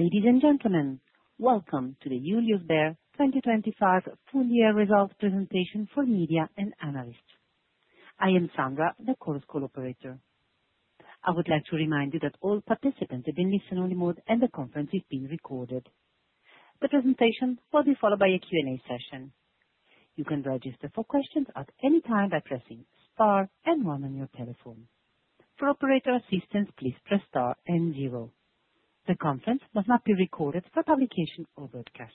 Ladies and gentlemen, welcome to the Julius Baer 2025 Full Year Results Presentation for Media and Analysts. I am Sandra, the Chorus Call operator. I would like to remind you that all participants have been listening only mode, and the conference is being recorded. The presentation will be followed by a Q&A session. You can register for questions at any time by pressing star and one on your telephone. For operator assistance, please press star and zero. The conference must not be recorded for publication or broadcast.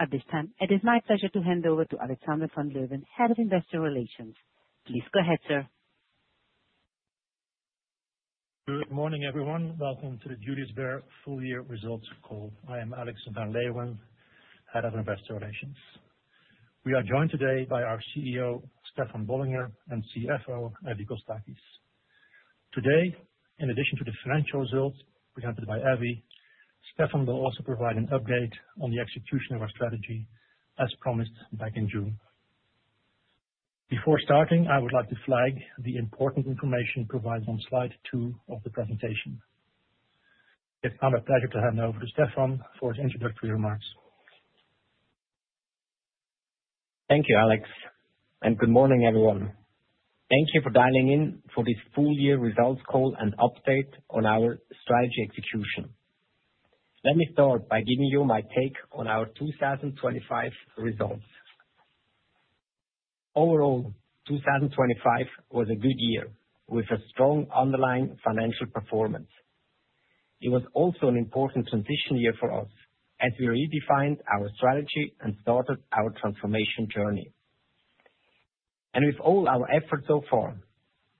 At this time, it is my pleasure to hand over to Alexander van Leeuwen, Head of Investor Relations. Please go ahead, sir. Good morning, everyone. Welcome to the Julius Baer Full Year Results call. I am Alex van Leeuwen, Head of Investor Relations. We are joined today by our CEO, Stefan Bollinger, and CFO, Evie Kostakis. Today, in addition to the financial results presented by Evie, Stefan will also provide an update on the execution of our strategy, as promised back in June. Before starting, I would like to flag the important information provided on slide two of the presentation. It's now my pleasure to hand over to Stefan for his introductory remarks. Thank you, Alex, and good morning, everyone. Thank you for dialing in for this full year results call and update on our strategy execution. Let me start by giving you my take on our 2025 results. Overall, 2025 was a good year with a strong underlying financial performance. It was also an important transition year for us as we redefined our strategy and started our transformation journey. With all our efforts so far,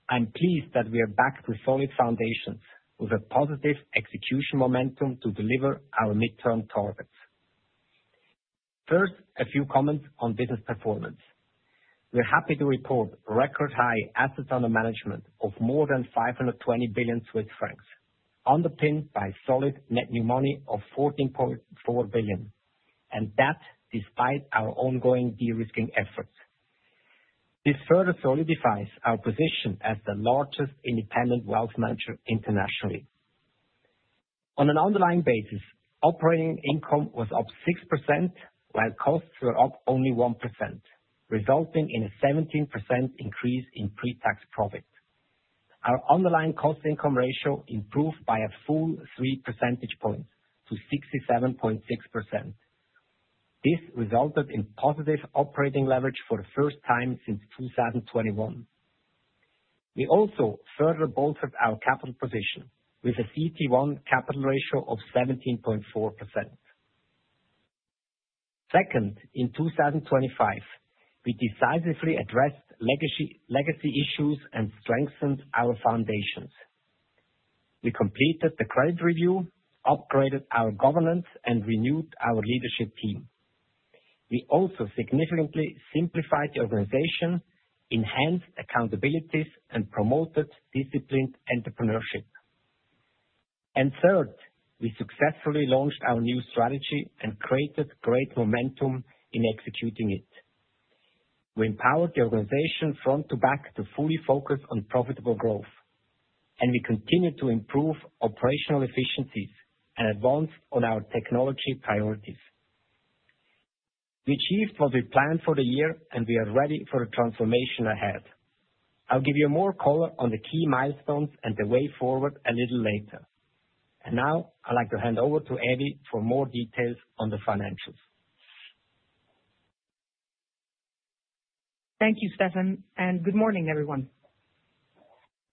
I'm pleased that we are back to a solid foundation with a positive execution momentum to deliver our midterm targets. First, a few comments on business performance. We're happy to report record high assets under management of more than 520 billion Swiss francs, underpinned by solid net new money of 14.4 billion, and that despite our ongoing de-risking efforts. This further solidifies our position as the largest independent wealth manager internationally. On an underlying basis, operating income was up 6%, while costs were up only 1%, resulting in a 17% increase in pre-tax profit. Our underlying cost income ratio improved by a full 3 percentage points to 67.6%. This resulted in positive operating leverage for the first time since 2021. We also further bolstered our capital position with a CET1 capital ratio of 17.4%. Second, in 2025, we decisively addressed legacy issues and strengthened our foundations. We completed the credit review, upgraded our governance, and renewed our leadership team. We also significantly simplified the organization, enhanced accountabilities, and promoted disciplined entrepreneurship. And third, we successfully launched our new strategy and created great momentum in executing it. We empowered the organization front to back to fully focus on profitable growth, and we continued to improve operational efficiencies and advanced on our technology priorities. We achieved what we planned for the year, and we are ready for the transformation ahead. I'll give you more color on the key milestones and the way forward a little later. Now I'd like to hand over to Evie for more details on the financials. Thank you, Stefan, and good morning, everyone.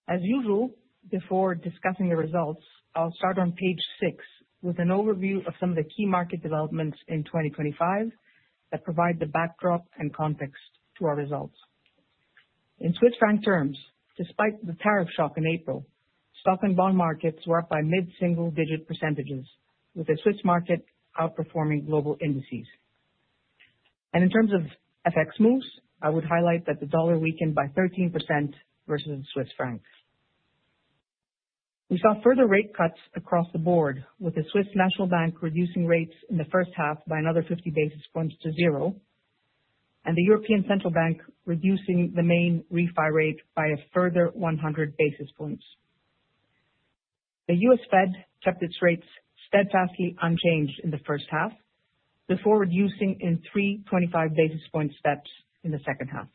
As usual, before discussing the results, I'll start on Page 6 with an overview of some of the key market developments in 2025 that provide the backdrop and context to our results. In Swiss franc terms, despite the tariff shock in April, stock and bond markets were up by mid-single digit percentages, with the Swiss market outperforming global indices. In terms of FX moves, I would highlight that the dollar weakened by 13% versus the Swiss francs. We saw further rate cuts across the board, with the Swiss National Bank reducing rates in the first half by another 50 basis points to zero, and the European Central Bank reducing the main refi rate by a further 100 basis points. The U.S. Fed kept its rates steadfastly unchanged in the first half, before reducing in three 25 basis point steps in the second half.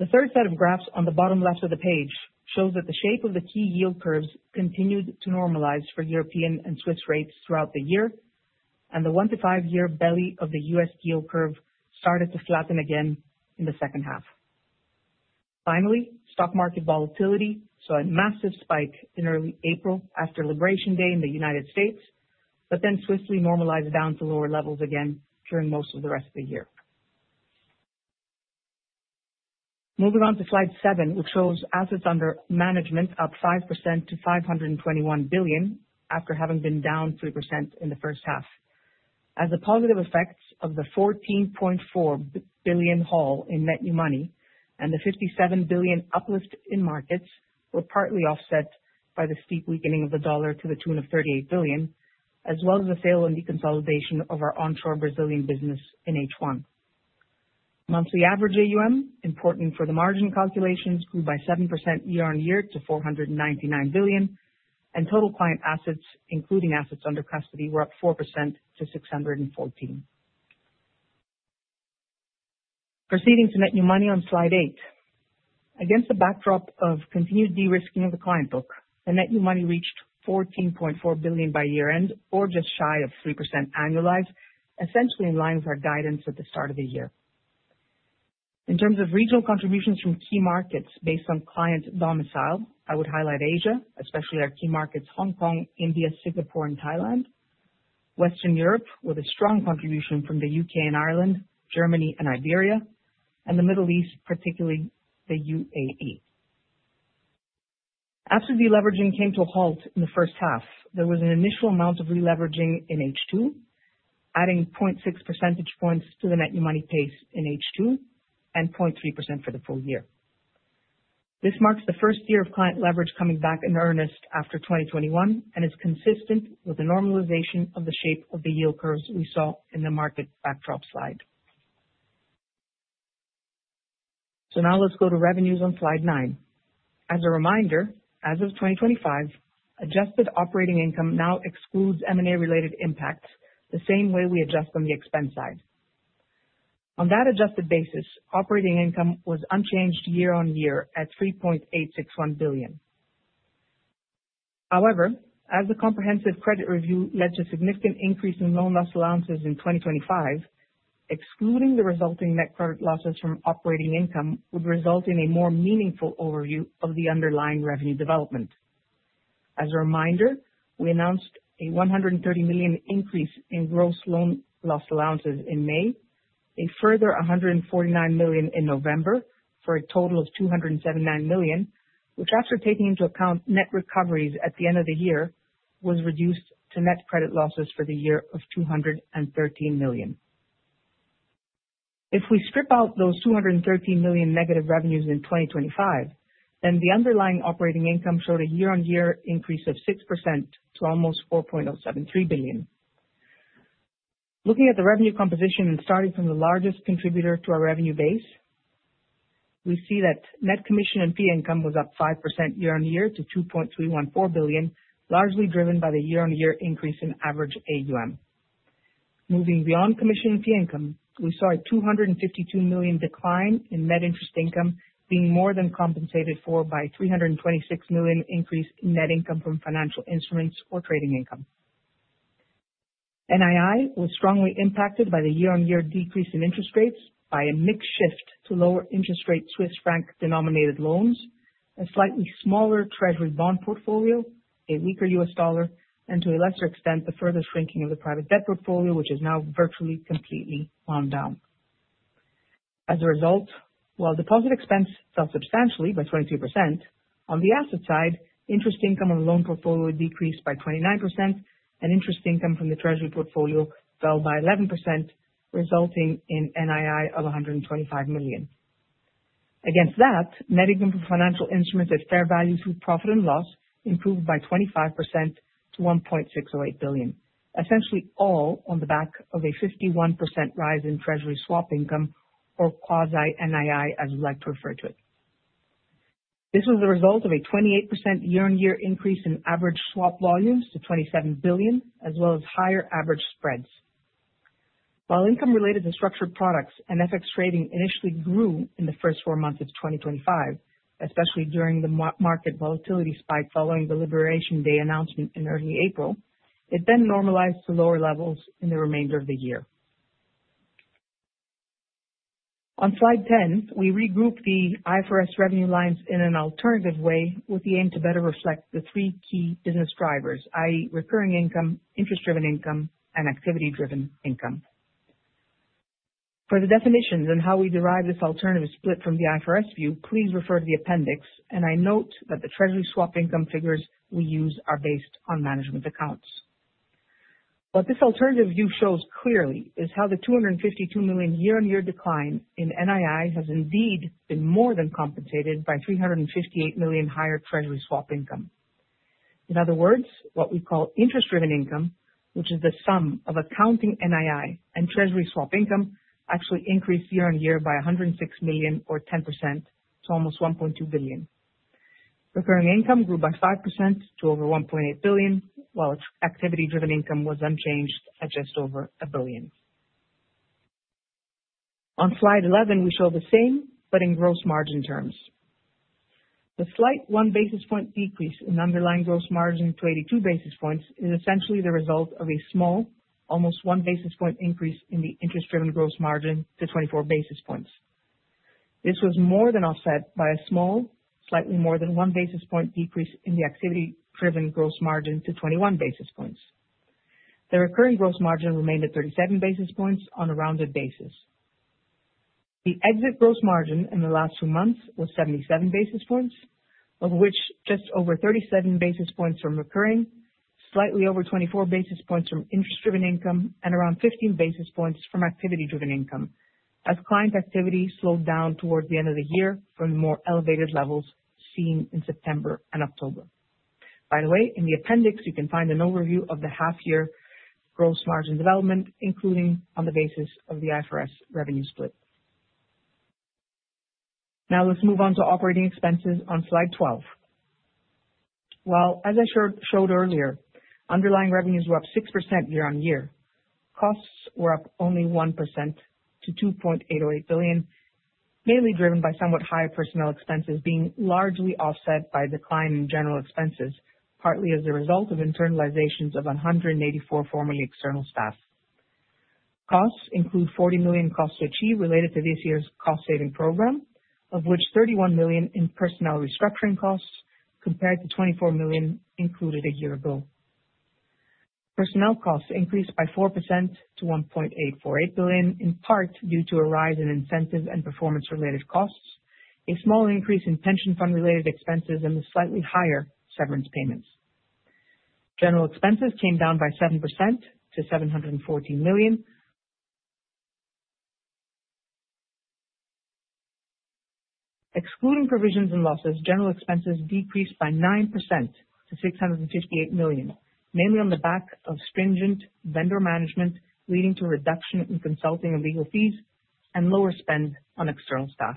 The third set of graphs on the bottom left of the page shows that the shape of the key yield curves continued to normalize for European and Swiss rates throughout the year, and the one to five-year belly of the US yield curve started to flatten again in the second half. Finally, stock market volatility saw a massive spike in early April after Liberation Day in the United States, but then swiftly normalized down to lower levels again during most of the rest of the year. Moving on to slide 7, which shows assets under management up 5% to 521 billion, after having been down 3% in the first half. As the positive effects of the 14.4 billion haul in net new money and the 57 billion uplift in markets were partly offset by the steep weakening of the dollar to the tune of 38 billion, as well as the sale and deconsolidation of our onshore Brazilian business in H1. Monthly average AUM, important for the margin calculations, grew by 7% year-on-year to 499 billion, and total client assets, including assets under custody, were up 4% to 614 billion. Proceeding to net new money on Slide 8. Against the backdrop of continued de-risking of the client book, the net new money reached 14.4 billion by year-end, or just shy of 3% annualized, essentially in line with our guidance at the start of the year. In terms of regional contributions from key markets based on client domicile, I would highlight Asia, especially our key markets, Hong Kong, India, Singapore and Thailand, Western Europe, with a strong contribution from the U.K. and Ireland, Germany and Iberia, and the Middle East, particularly the UAE. After deleveraging came to a halt in the first half, there was an initial amount of releveraging in H2, adding 0.6 percentage points to the net new money pace in H2 and 0.3% for the full year. This marks the first year of client leverage coming back in earnest after 2021, and is consistent with the normalization of the shape of the yield curves we saw in the market backdrop slide. So now let's go to revenues on slide 9. As a reminder, as of 2025, adjusted operating income now excludes M&A related impacts, the same way we adjust on the expense side. On that adjusted basis, operating income was unchanged year-on-year at 3.861 billion. However, as the comprehensive credit review led to significant increase in loan loss allowances in 2025, excluding the resulting net credit losses from operating income would result in a more meaningful overview of the underlying revenue development. As a reminder, we announced a 130 million increase in gross loan loss allowances in May, a further 149 million in November, for a total of 279 million, which, after taking into account net recoveries at the end of the year, was reduced to net credit losses for the year of 213 million. If we strip out those 213 million negative revenues in 2025, then the underlying operating income showed a year-on-year increase of 6% to almost 4.073 billion. Looking at the revenue composition and starting from the largest contributor to our revenue base, we see that net commission and fee income was up 5% year-on-year to 2.314 billion, largely driven by the year-on-year increase in average AUM. Moving beyond commission and fee income, we saw a 252 million decline in net interest income, being more than compensated for by 326 million increase in net income from financial instruments or trading income. NII was strongly impacted by the year-on-year decrease in interest rates by a mixed shift to lower interest rate Swiss franc-denominated loans, a slightly smaller treasury bond portfolio, a weaker U.S. dollar, and to a lesser extent, the further shrinking of the private debt portfolio, which is now virtually completely wound down. As a result, while deposit expense fell substantially by 22%, on the asset side, interest income on the loan portfolio decreased by 29%, and interest income from the treasury portfolio fell by 11%, resulting in NII of 125 million. Against that, net income from financial instruments at fair values through profit and loss improved by 25% to 1.608 billion, essentially all on the back of a 51% rise in treasury swap income or quasi NII, as we like to refer to it. This was the result of a 28% year-on-year increase in average swap volumes to 27 billion, as well as higher average spreads. While income related to structured products and FX trading initially grew in the first four months of 2025, especially during the market volatility spike following the Liberation Day announcement in early April, it then normalized to lower levels in the remainder of the year. On Slide 10, we regroup the IFRS revenue lines in an alternative way, with the aim to better reflect the three key business drivers, i.e., recurring income, interest-driven income, and activity-driven income. For the definitions on how we derive this alternative split from the IFRS view, please refer to the appendix, and I note that the treasury swap income figures we use are based on management accounts. What this alternative view shows clearly is how the 252 million year-on-year decline in NII has indeed been more than compensated by 358 million higher treasury swap income. In other words, what we call interest-driven income, which is the sum of accounting NII and treasury swap income, actually increased year-on-year by a 106 million, or 10%, to almost 1.2 billion. Recurring income grew by 5% to over 1.8 billion, while its activity-driven income was unchanged at just over 1 billion. On slide 11, we show the same, but in gross margin terms. The slight 1 basis point decrease in underlying gross margin to 82 basis points is essentially the result of a small, almost 1 basis point increase in the interest-driven gross margin to 24 basis points. This was more than offset by a small, slightly more than 1 basis point decrease in the activity-driven gross margin to 21 basis points. The recurring gross margin remained at 37 basis points on a rounded basis. The exit gross margin in the last two months was 77 basis points, of which just over 37 basis points from recurring, slightly over 24 basis points from interest-driven income, and around 15 basis points from activity-driven income, as client activity slowed down towards the end of the year from more elevated levels seen in September and October. By the way, in the appendix, you can find an overview of the half year gross margin development, including on the basis of the IFRS revenue split. Now let's move on to operating expenses on Slide 12. Well, as I showed earlier, underlying revenues were up 6% year-on-year. Costs were up only 1% to 2.808 billion, mainly driven by somewhat higher personnel expenses, being largely offset by a decline in general expenses, partly as a result of internalizations of 184 formerly external staff. Costs include 40 million costs to achieve related to this year's cost saving program, of which 31 million in personnel restructuring costs, compared to 24 million included a year ago. Personnel costs increased by 4% to 1.848 billion, in part due to a rise in incentive and performance-related costs, a small increase in pension fund-related expenses, and the slightly higher severance payments. General expenses came down by 7% to 714 million. Excluding provisions and losses, general expenses decreased by 9% to 658 million, mainly on the back of stringent vendor management, leading to a reduction in consulting and legal fees and lower spend on external staff.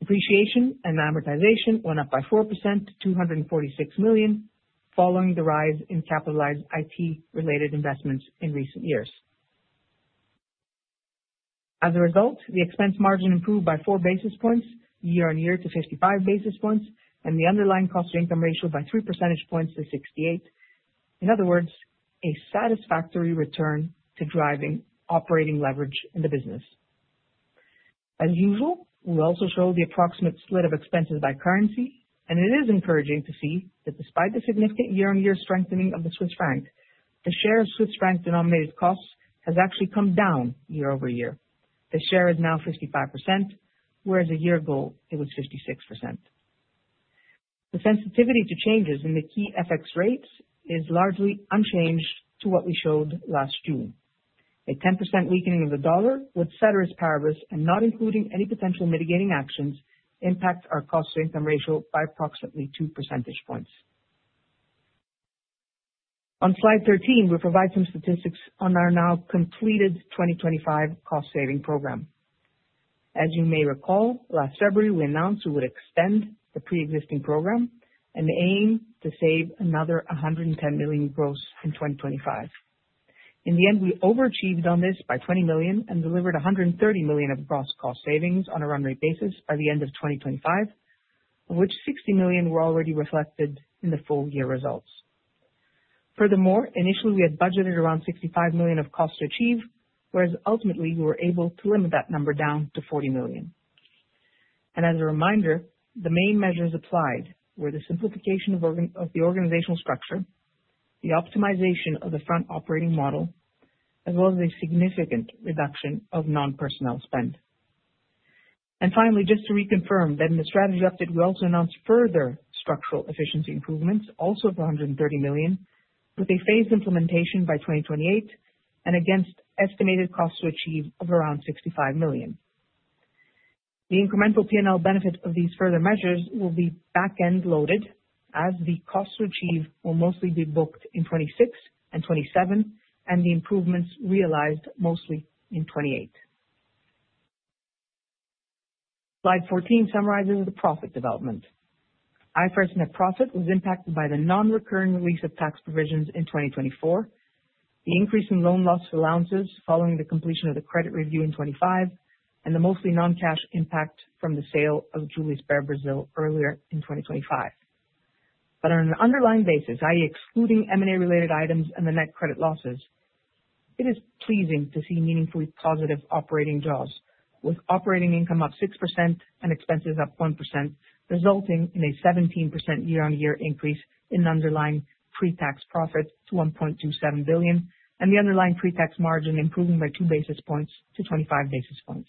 Depreciation and amortization went up by 4% to 246 million, following the rise in capitalized IT-related investments in recent years. As a result, the expense margin improved by 4 basis points year-on-year to 55 basis points, and the underlying cost to income ratio by 3 percentage points to 68. In other words, a satisfactory return to driving operating leverage in the business. As usual, we also show the approximate split of expenses by currency, and it is encouraging to see that despite the significant year-on-year strengthening of the Swiss franc, the share of Swiss franc-denominated costs has actually come down year-over-year. The share is now 55%, whereas a year ago it was 56%. The sensitivity to changes in the key FX rates is largely unchanged to what we showed last June. A 10% weakening of the dollar, with ceteris paribus, and not including any potential mitigating actions, impacts our cost income ratio by approximately two percentage points. On Slide 13, we provide some statistics on our now completed 2025 cost saving program. As you may recall, last February, we announced we would extend the pre-existing program and aim to save another CHF 110 million gross in 2025. In the end, we overachieved on this by 20 million and delivered 130 million of gross cost savings on a run rate basis by the end of 2025, of which 60 million were already reflected in the full year results. Furthermore, initially we had budgeted around 65 million of costs to achieve, whereas ultimately we were able to limit that number down to 40 million. As a reminder, the main measures applied were the simplification of the organizational structure, the optimization of the front operating model, as well as a significant reduction of non-personnel spend. Finally, just to reconfirm that in the strategy update, we also announced further structural efficiency improvements, also of 130 million, with a phased implementation by 2028 and against estimated costs to achieve of around 65 million. The incremental P&L benefit of these further measures will be back-end loaded, as the cost to achieve will mostly be booked in 2026 and 2027, and the improvements realized mostly in 2028. Slide 14 summarizes the profit development. IFRS net profit was impacted by the non-recurring release of tax provisions in 2024, the increase in loan loss allowances following the completion of the credit review in 2025, and the mostly non-cash impact from the sale of Julius Baer Brazil earlier in 2025. But on an underlying basis, i.e., excluding M&A related items and the net credit losses, it is pleasing to see meaningfully positive operating jaws, with operating income up 6% and expenses up 1%, resulting in a 17% year-on-year increase in underlying pre-tax profit to 1.27 billion, and the underlying pre-tax margin improving by 2 basis points to 25 basis points.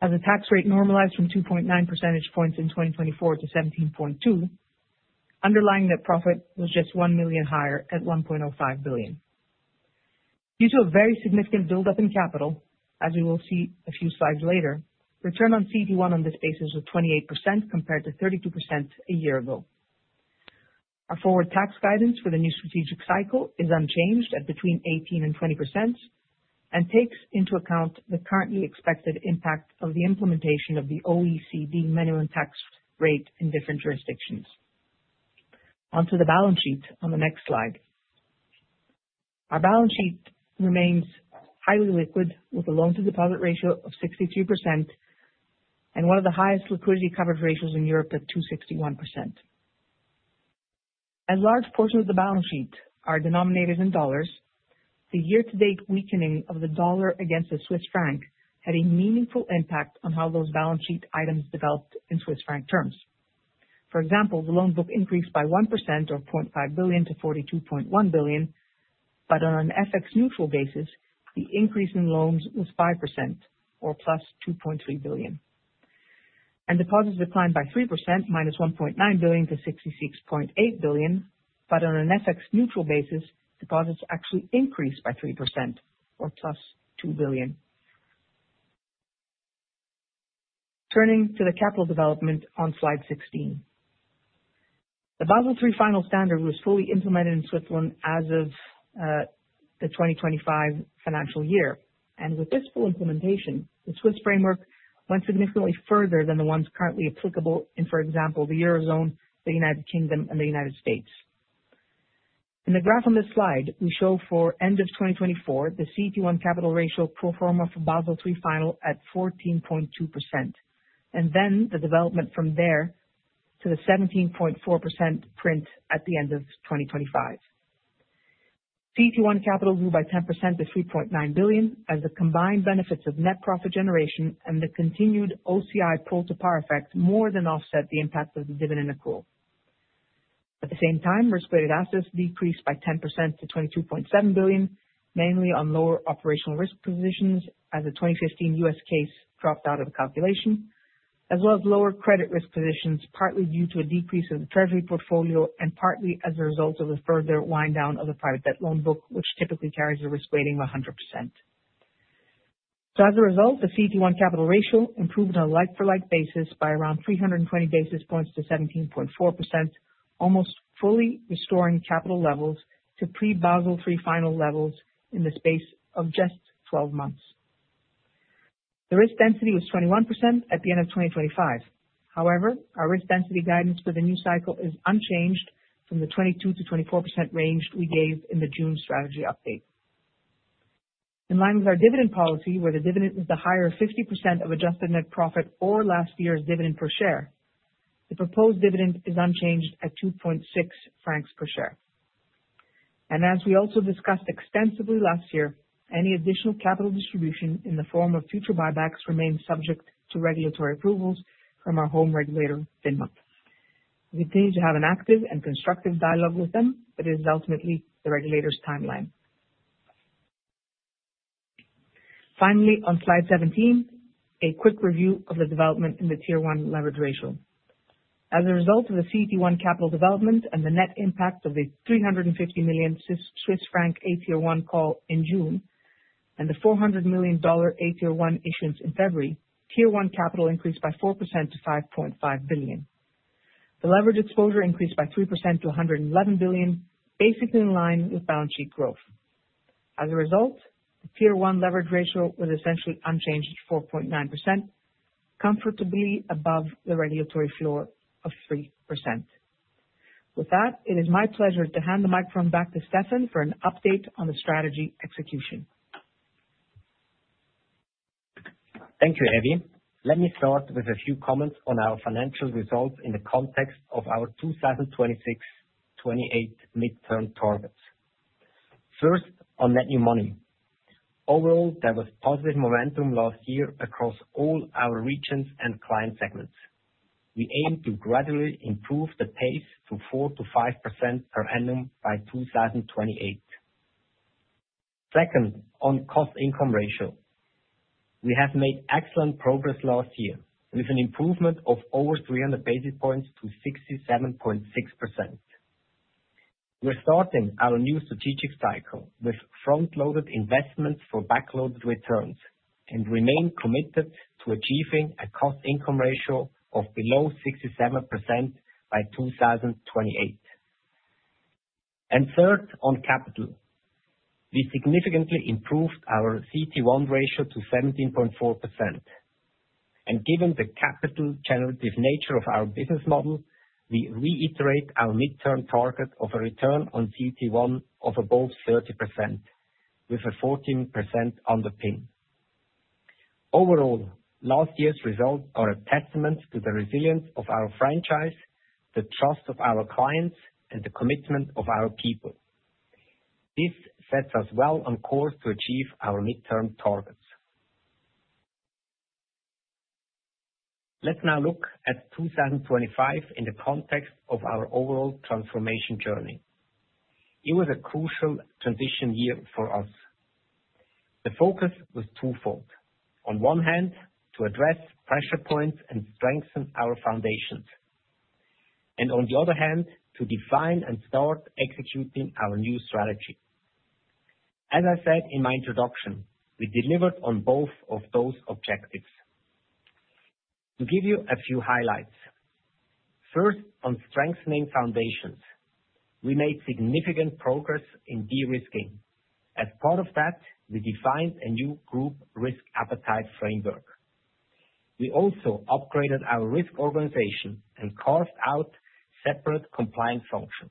As the tax rate normalized from 2.9 percentage points in 2024 to 17.2, underlying net profit was just 1 million higher at 1.05 billion. Due to a very significant buildup in capital, as we will see a few slides later, return on CET1 on this basis was 28%, compared to 32% a year ago. Our forward tax guidance for the new strategic cycle is unchanged at between 18% and 20% and takes into account the currently expected impact of the implementation of the OECD minimum tax rate in different jurisdictions. Onto the balance sheet on the next slide. Our balance sheet remains highly liquid, with a loan-to-deposit ratio of 62% and one of the highest liquidity coverage ratios in Europe at 261%. A large portion of the balance sheet are denominated in dollars. The year-to-date weakening of the dollar against the Swiss franc had a meaningful impact on how those balance sheet items developed in Swiss franc terms. For example, the loan book increased by 1%, or 0.5 billion to 42.1 billion. But on an FX neutral basis, the increase in loans was 5% or +2.3 billion. And deposits declined by 3%, -1.9 billion to 66.8 billion. But on an FX neutral basis, deposits actually increased by 3% or +CHF 2 billion.... Turning to the capital development on Slide 16. The Basel III final standard was fully implemented in Switzerland as of the 2025 financial year, and with this full implementation, the Swiss framework went significantly further than the ones currently applicable in, for example, the Eurozone, the United Kingdom, and the United States. In the graph on this slide, we show for end of 2024, the CET1 capital ratio pro forma for Basel III final at 14.2%, and then the development from there to the 17.4% print at the end of 2025. CET1 capital grew by 10% to 3.9 billion, as the combined benefits of net profit generation and the continued OCI pull-to-par effect more than offset the impact of the dividend accrual. At the same time, risk-weighted assets decreased by 10% to 22.7 billion, mainly on lower operational risk positions as the 2015 US case dropped out of the calculation, as well as lower credit risk positions, partly due to a decrease in the treasury portfolio, and partly as a result of a further wind down of the private debt loan book, which typically carries a risk weighting of 100%. So as a result, the CET1 capital ratio improved on a like-for-like basis by around 320 basis points to 17.4%, almost fully restoring capital levels to pre-Basel III final levels in the space of just 12 months. The risk density was 21% at the end of 2025. However, our risk density guidance for the new cycle is unchanged from the 22%-24% range we gave in the June strategy update. In line with our dividend policy, where the dividend is the higher 50% of adjusted net profit or last year's dividend per share, the proposed dividend is unchanged at 2.6 francs per share. As we also discussed extensively last year, any additional capital distribution in the form of future buybacks remains subject to regulatory approvals from our home regulator, FINMA. We continue to have an active and constructive dialogue with them, but it is ultimately the regulator's timeline. Finally, on Slide 17, a quick review of the development in the Tier I leverage ratio. As a result of the CET1 capital development and the net impact of the 350 million Swiss franc AT1 call in June, and the $400 million AT1 issuance in February, Tier I capital increased by 4% to 5.5 billion. The leverage exposure increased by 3% to 111 billion, basically in line with balance sheet growth. As a result, the Tier I leverage ratio was essentially unchanged at 4.9%, comfortably above the regulatory floor of 3%. With that, it is my pleasure to hand the microphone back to Stefan for an update on the strategy execution. Thank you, Evie. Let me start with a few comments on our financial results in the context of our 2026-2028 midterm targets. First, on net new money. Overall, there was positive momentum last year across all our regions and client segments. We aim to gradually improve the pace to 4%-5% per annum by 2028. Second, on cost income ratio. We have made excellent progress last year, with an improvement of over 300 basis points to 67.6%. We're starting our new strategic cycle with front-loaded investments for backloaded returns and remain committed to achieving a cost income ratio of below 67% by 2028. And third, on capital. We significantly improved our CET1 ratio to 17.4%. Given the capital generative nature of our business model, we reiterate our midterm target of a return on CET1 of above 30%, with a 14% underping. Overall, last year's results are a testament to the resilience of our franchise, the trust of our clients, and the commitment of our people. This sets us well on course to achieve our midterm targets. Let's now look at 2025 in the context of our overall transformation journey. It was a crucial transition year for us. The focus was twofold. On one hand, to address pressure points and strengthen our foundations, and on the other hand, to define and start executing our new strategy. As I said in my introduction, we delivered on both of those objectives. To give you a few highlights: First, on strengthening foundations, we made significant progress in de-risking. As part of that, we defined a new group risk appetite framework. We also upgraded our risk organization and carved out separate compliance functions.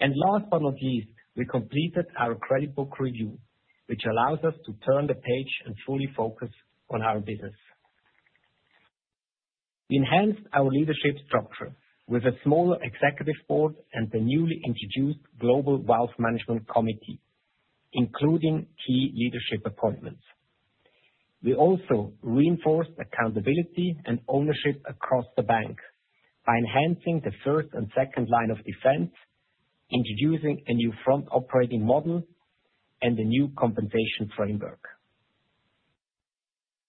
And last but not least, we completed our credit book review, which allows us to turn the page and fully focus on our business. We enhanced our leadership structure with a smaller executive board and the newly introduced Global Wealth Management Committee, including key leadership appointments. We also reinforced accountability and ownership across the bank by enhancing the first and second line of defense, introducing a new front operating model and a new compensation framework.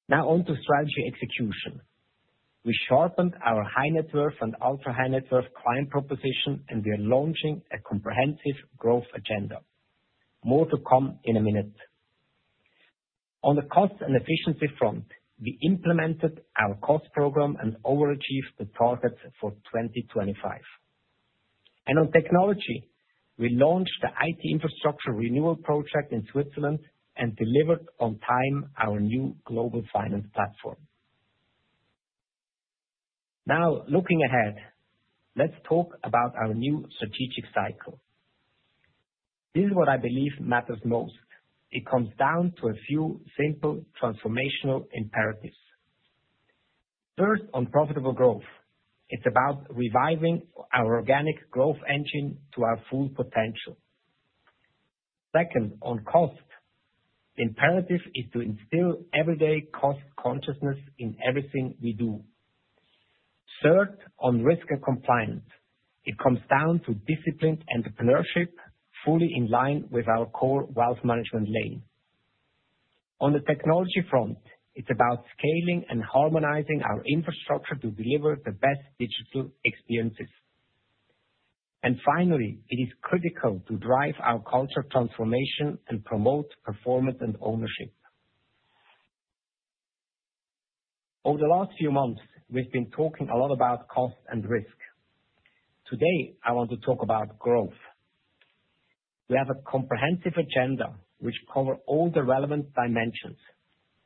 Now on to strategy execution... We sharpened our high net worth and ultra high net worth client proposition, and we are launching a comprehensive growth agenda. More to come in a minute. On the cost and efficiency front, we implemented our cost program and overachieved the targets for 2025. On technology, we launched the IT infrastructure renewal project in Switzerland and delivered on time our new Global Finance Platform. Now, looking ahead, let's talk about our new strategic cycle. This is what I believe matters most. It comes down to a few simple transformational imperatives. First, on profitable growth, it's about reviving our organic growth engine to our full potential. Second, on cost, the imperative is to instill everyday cost consciousness in everything we do. Third, on risk and compliance, it comes down to disciplined entrepreneurship, fully in line with our core wealth management lane. On the technology front, it's about scaling and harmonizing our infrastructure to deliver the best digital experiences. And finally, it is critical to drive our culture transformation and promote performance and ownership. Over the last few months, we've been talking a lot about cost and risk. Today, I want to talk about growth. We have a comprehensive agenda which covers all the relevant dimensions,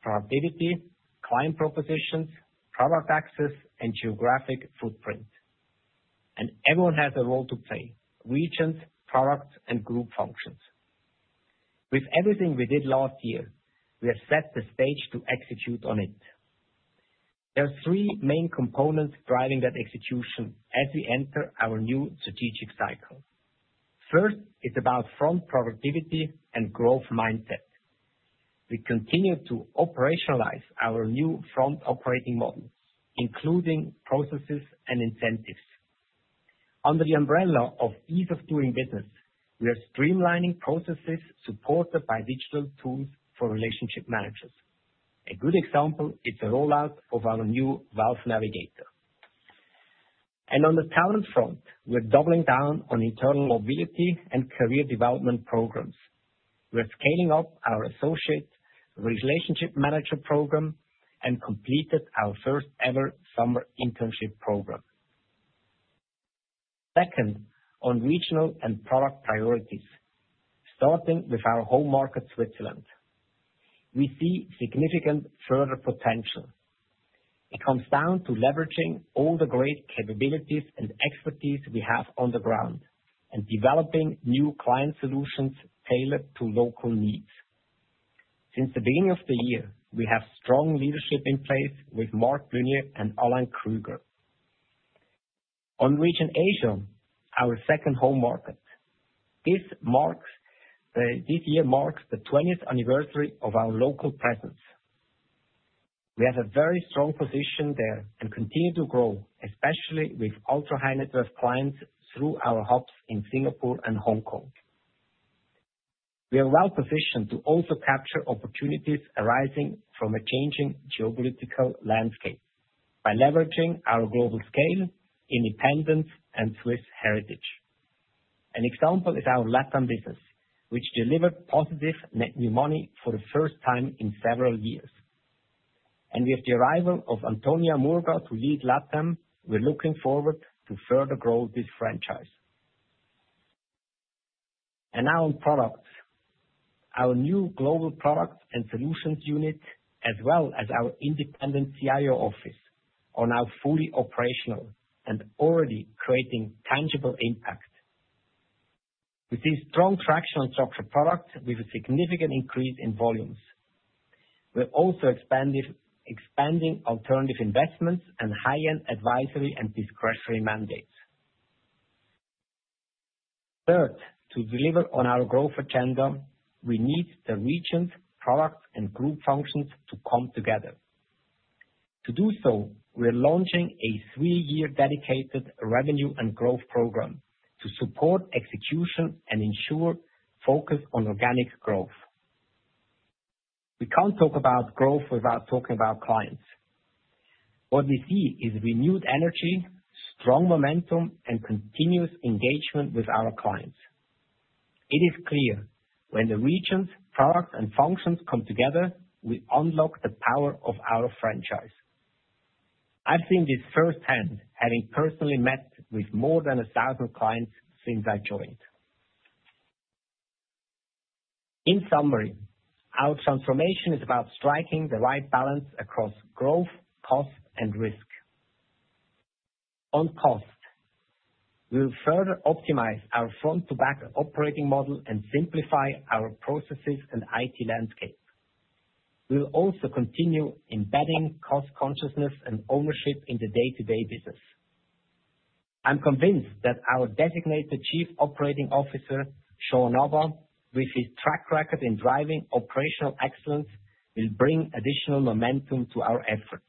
productivity, client propositions, product access, and geographic footprint. Everyone has a role to play: regions, products, and group functions. With everything we did last year, we have set the stage to execute on it. There are three main components driving that execution as we enter our new strategic cycle. First, it's about front productivity and growth mindset. We continue to operationalize our new front operating model, including processes and incentives. Under the umbrella of ease of doing business, we are streamlining processes supported by digital tools for relationship managers. A good example is the rollout of our new Wealth Navigator. On the talent front, we're doubling down on internal mobility and career development programs. We're scaling up our associate relationship manager program and completed our first ever summer internship program. Second, on regional and product priorities, starting with our home market, Switzerland. We see significant further potential. It comes down to leveraging all the great capabilities and expertise we have on the ground, and developing new client solutions tailored to local needs. Since the beginning of the year, we have strong leadership in place with Marc Blunier and Alain Krüger. On region Asia, our second home market. This marks, this year marks the 20th anniversary of our local presence. We have a very strong position there and continue to grow, especially with ultra high net worth clients through our hubs in Singapore and Hong Kong. We are well positioned to also capture opportunities arising from a changing geopolitical landscape by leveraging our global scale, independence, and Swiss heritage. An example is our LATAM business, which delivered positive net new money for the first time in several years. With the arrival of Antonia Murga to lead LATAM, we're looking forward to further grow this franchise. Now on products. Our new Global Product and Solutions Unit, as well as our Independent CIO Office, are now fully operational and already creating tangible impact. We see strong traction on structured products with a significant increase in volumes. We're also expanding alternative investments and high-end advisory and discretionary mandates. Third, to deliver on our growth agenda, we need the regions, products, and group functions to come together. To do so, we're launching a three-year dedicated revenue and growth program to support execution and ensure focus on organic growth. We can't talk about growth without talking about clients. What we see is renewed energy, strong momentum, and continuous engagement with our clients. It is clear when the regions, products, and functions come together, we unlock the power of our franchise. I've seen this firsthand, having personally met with more than 1,000 clients since I joined. In summary, our transformation is about striking the right balance across growth, cost, and risk. On cost, we'll further optimize our front-to-back operating model and simplify our processes and IT landscape. We'll also continue embedding cost consciousness and ownership in the day-to-day business. I'm convinced that our designated Chief Operating Officer, Jean Nabaa, with his track record in driving operational excellence, will bring additional momentum to our efforts.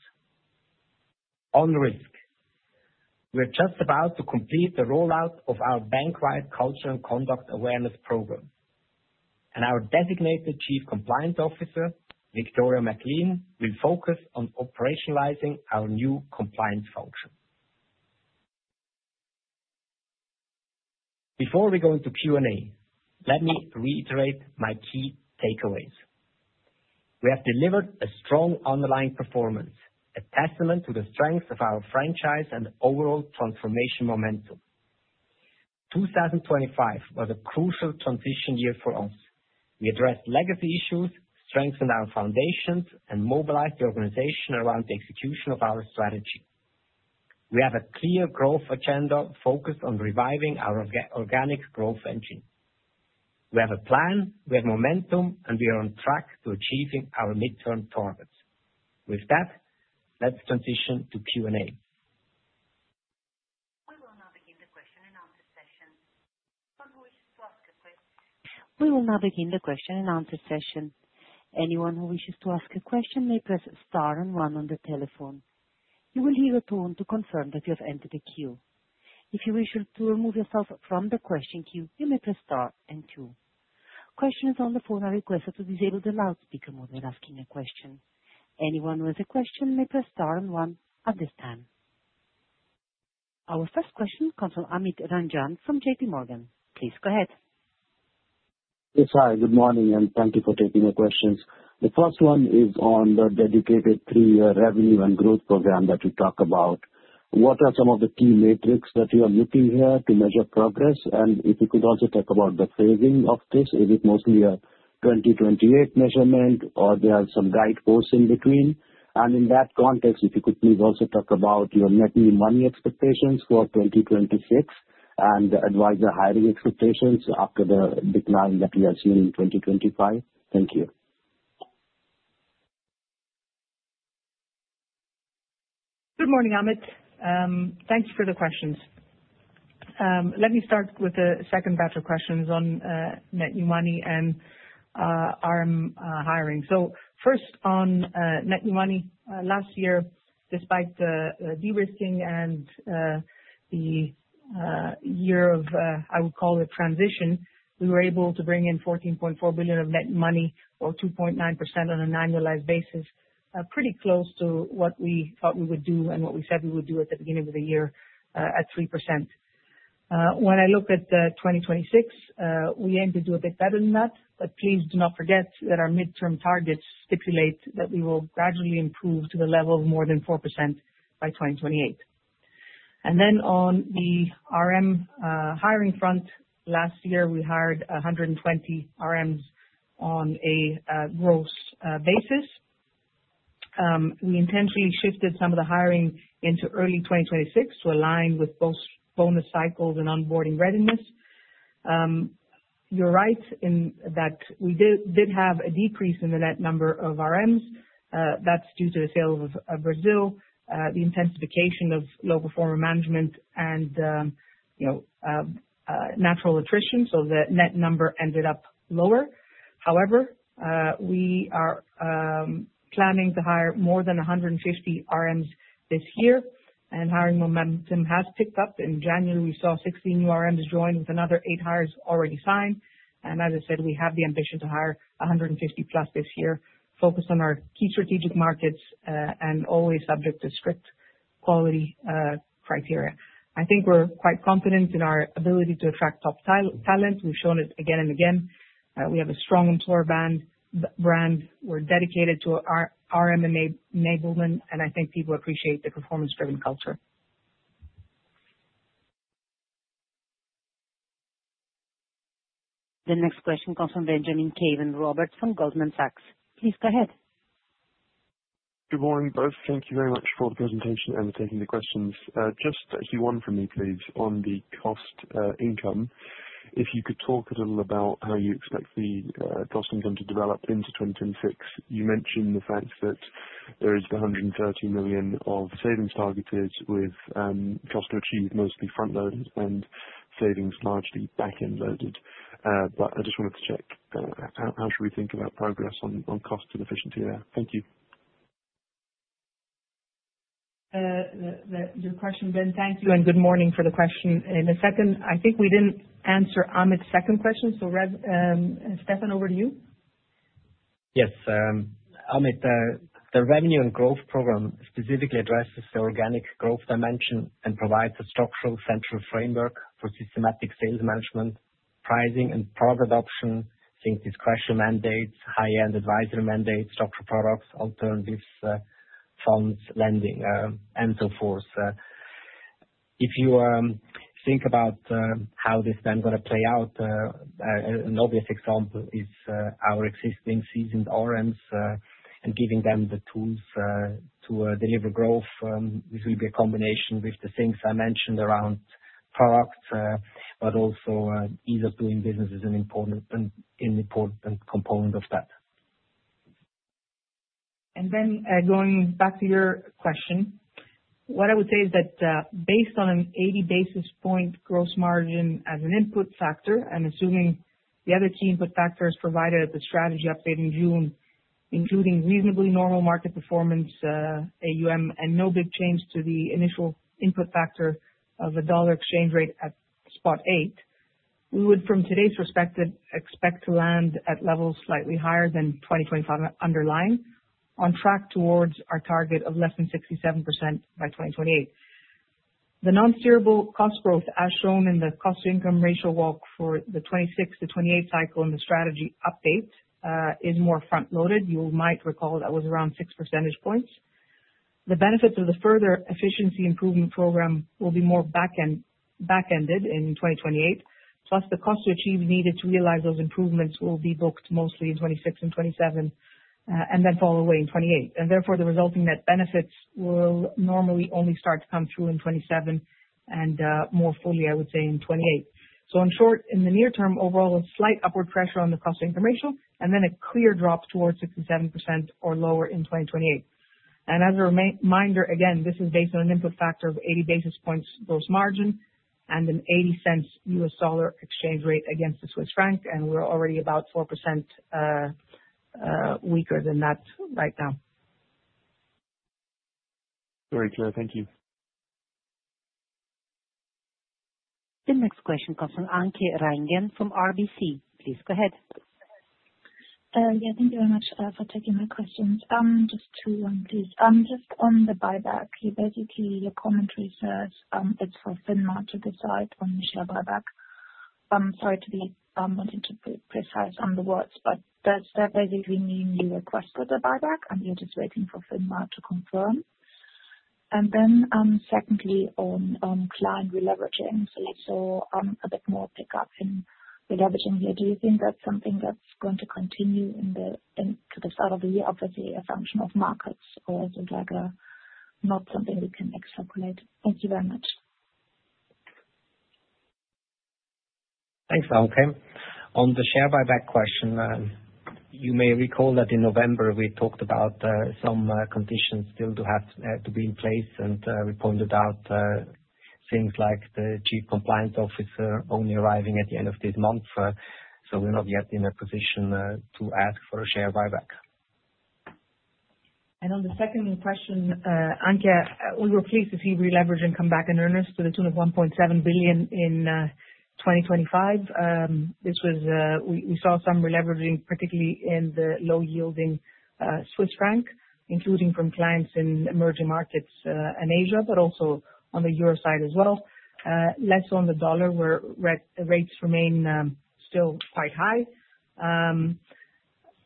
We're just about to complete the rollout of our bank-wide culture and conduct awareness program, and our designated Chief Compliance Officer, Victoria McLean, will focus on operationalizing our new compliance function. Before we go into Q&A, let me reiterate my key takeaways. We have delivered a strong underlying performance, a testament to the strength of our franchise and overall transformation momentum. 2025 was a crucial transition year for us. We addressed legacy issues, strengthened our foundations, and mobilized the organization around the execution of our strategy. We have a clear growth agenda focused on reviving our organic growth engine. We have a plan, we have momentum, and we are on track to achieving our midterm targets. With that, let's transition to Q&A. We will now begin the question and answer session. Anyone who wishes to ask a question? We will now begin the question and answer session. Anyone who wishes to ask a question may press star and one on the telephone. You will hear a tone to confirm that you have entered the queue. If you wish to remove yourself from the question queue, you may press star and two. Questions on the phone are requested to disable the loudspeaker mode when asking a question. Anyone with a question may press star and one at this time. Our first question comes from Amit Ranjan, from J.P. Morgan. Please go ahead. Yes, hi, good morning, and thank you for taking the questions. The first one is on the dedicated three-year revenue and growth program that you talk about. What are some of the key metrics that you are looking here to measure progress? And if you could also talk about the phasing of this, is it mostly a 2028 measurement or there are some guideposts in between? And in that context, if you could please also talk about your net new money expectations for 2026 and the advisor hiring expectations after the decline that we have seen in 2025. Thank you. Good morning, Amit, thanks for the questions. Let me start with the second batch of questions on net new money and RM hiring. So first on net new money. Last year, despite the de-risking and the year of, I would call it transition, we were able to bring in 14.4 billion of net new money or 2.9% on an annualized basis. Pretty close to what we thought we would do and what we said we would do at the beginning of the year, at 3%. When I look at 2026, we aim to do a bit better than that, but please do not forget that our midterm targets stipulate that we will gradually improve to the level of more than 4% by 2028. And then on the RM hiring front, last year, we hired 120 RMs on a gross basis. We intentionally shifted some of the hiring into early 2026 to align with both bonus cycles and onboarding readiness. You're right in that we did have a decrease in the net number of RMs. That's due to the sales of Brazil, the intensification of low performer management and, you know, natural attrition, so the net number ended up lower. However, we are planning to hire more than 150 RMs this year, and hiring momentum has picked up. In January, we saw 16 new RMs join, with another eight hires already signed. As I said, we have the ambition to hire 150+ this year, focused on our key strategic markets, and always subject to strict quality criteria. I think we're quite confident in our ability to attract top talent. We've shown it again and again. We have a strong employer brand. We're dedicated to our RM enablement, and I think people appreciate the performance-driven culture. The next question comes from Benjamin Caven-Roberts from Goldman Sachs. Please go ahead. Good morning, both. Thank you very much for the presentation and taking the questions. Just a key one for me, please, on the cost income, if you could talk a little about how you expect the cost income to develop into 2026. You mentioned the fact that there is 130 million of savings targeted with cost to achieve, mostly front-loaded and savings largely back-end loaded. But I just wanted to check, how should we think about progress on cost and efficiency there? Thank you. Your question, Ben. Thank you, and good morning for the question. The second, I think we didn't answer Amit's second question, so Rev, Stefan, over to you. Yes, Amit, the revenue and growth program specifically addresses the organic growth dimension and provides a structural central framework for systematic sales management, pricing, and product adoption, things like discretion mandates, high-end advisory mandates, structural products, alternatives, funds, lending, and so forth. If you think about how this then gonna play out, an obvious example is our existing seasoned RMs and giving them the tools to deliver growth. This will be a combination with the things I mentioned around products, but also ease of doing business is an important and an important component of that. Then, going back to your question, what I would say is that, based on an 80 basis point gross margin as an input factor, and assuming the other key input factors provided at the strategy update in June, including reasonably normal market performance, AUM, and no big change to the initial input factor of the dollar exchange rate at spot 0.8, we would, from today's perspective, expect to land at levels slightly higher than 2025 underlying, on track towards our target of less than 67% by 2028. The non-steerable cost growth, as shown in the cost income ratio walk for the 2026-2028 cycle and the strategy update, is more front loaded. You might recall that was around 6 percentage points. The benefits of the further efficiency improvement program will be more back end, back-ended in 2028, plus the cost to achieve needed to realize those improvements will be booked mostly in 2026 and 2027, and then fall away in 2028, and therefore, the resulting net benefits will normally only start to come through in 2027 and, more fully, I would say, in 2028. So in short, in the near term, overall, a slight upward pressure on the cost income ratio, and then a clear drop towards 67% or lower in 2028. And as a reminder, again, this is based on an input factor of 80 basis points gross margin and a $0.80 US dollar exchange rate against the Swiss franc, and we're already about 4%, weaker than that right now. Very clear. Thank you. The next question comes from Anke Reingen from RBC. Please go ahead. Yeah, thank you very much for taking my questions. Just two of them, please. Just on the buyback, you basically, your commentary says, it's for FINMA to decide on the share buyback. I'm sorry to be wanting to be precise on the words, but does that basically mean you requested the buyback and you're just waiting for FINMA to confirm? And then, secondly, on client releveraging. So, a bit more pick up in releveraging here, do you think that's something that's going to continue in the, in to the start of the year, obviously a function of markets, or is it like not something we can extrapolate? Thank you very much. Thanks, Anke. On the share buyback question, you may recall that in November we talked about some conditions still to have to be in place, and we pointed out things like the Chief Compliance Officer only arriving at the end of this month. So we're not yet in a position to ask for a share buyback. On the second question, Anke, we were pleased to see releveraging come back in earnest to the tune of 1.7 billion in 2025. This was, we saw some releveraging, particularly in the low-yielding Swiss franc, including from clients in emerging markets in Asia, but also on the euro side as well. Less on the dollar, where rates remain still quite high.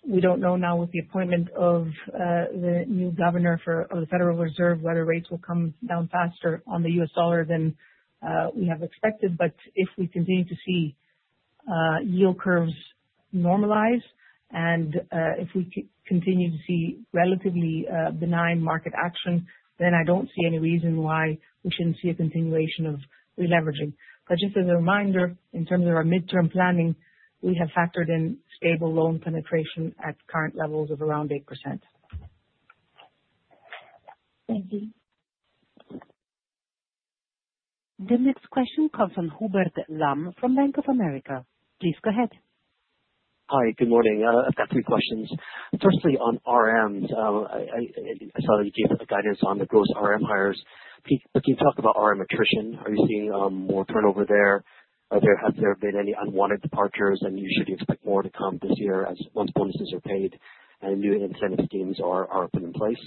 We don't know now with the appointment of the new governor of the Federal Reserve, whether rates will come down faster on the U.S. dollar than we have expected. But if we continue to see yield curves normalize and if we continue to see relatively benign market action, then I don't see any reason why we shouldn't see a continuation of releveraging. Just as a reminder, in terms of our midterm planning, we have factored in stable loan penetration at current levels of around 8%. Thank you. The next question comes from Hubert Lam, from Bank of America. Please go ahead. Hi, good morning. I've got three questions. Firstly, on RMs, I saw that you gave us the guidance on the gross RM hires. But can you talk about RM attrition? Are you seeing more turnover there? Are there, has there been any unwanted departures, and should you expect more to come this year as once bonuses are paid and new incentive schemes are put in place?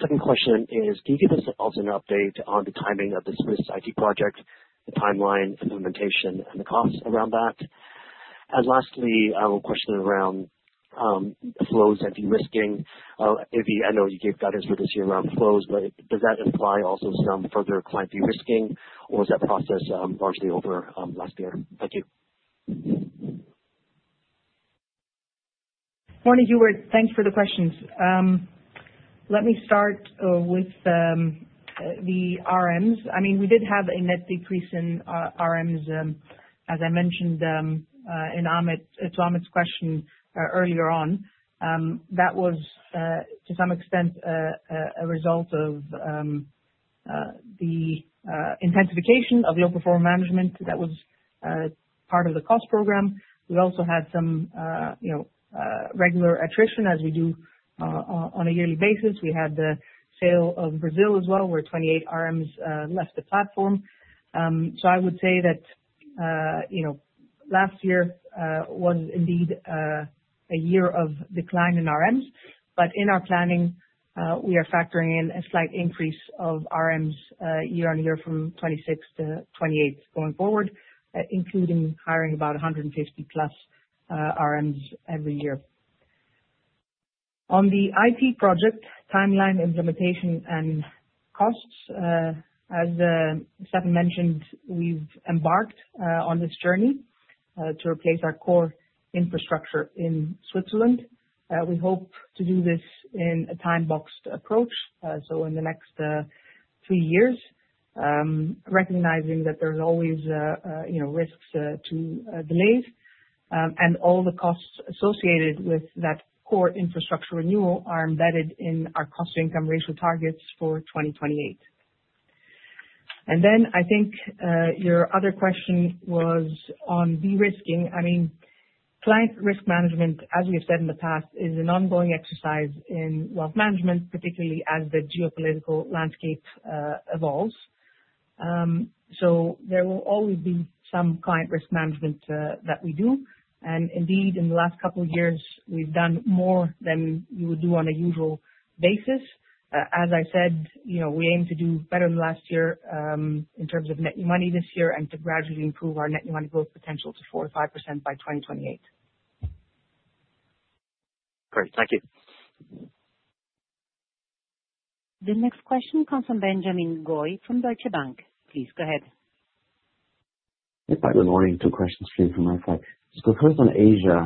Second question is, can you give us also an update on the timing of the Swiss IT project, the timeline, implementation, and the costs around that? And lastly, a question around flows and de-risking. If you... I know you gave guidance for this year around flows, but does that imply also some further client de-risking, or is that process largely over last year? Thank you. Morning, Hubert. Thanks for the questions. Let me start with the RMs. I mean, we did have a net decrease in RMs, as I mentioned in Amit, to Amit's question earlier on. That was to some extent a result of the intensification of low performer management that was part of the cost program. We also had some you know regular attrition, as we do on a yearly basis. We had the sale of Brazil as well, where 28 RMs left the platform. So I would say that, you know, last year was indeed a year of decline in RMs, but in our planning, we are factoring in a slight increase of RMs, year-on-year from 2026 to 2028 going forward, including hiring about 150+ RMs every year. On the IT project timeline, implementation, and costs, as Stefan mentioned, we've embarked on this journey to replace our core infrastructure in Switzerland. We hope to do this in a time-boxed approach, so in the next 3 years, recognizing that there's always, you know, risks to delays, and all the costs associated with that core infrastructure renewal are embedded in our cost income ratio targets for 2028. Then I think your other question was on de-risking. I mean, client risk management, as we have said in the past, is an ongoing exercise in wealth management, particularly as the geopolitical landscape evolves. So there will always be some client risk management that we do, and indeed, in the last couple of years, we've done more than we would do on a usual basis. As I said, you know, we aim to do better than last year in terms of net new money this year, and to gradually improve our net new money growth potential to 4%-5% by 2028. Great. Thank you. The next question comes from Benjamin Goy from Deutsche Bank. Please go ahead. Hi, good morning. Two questions for you from my side. So the first on Asia,